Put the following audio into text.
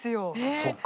そっか。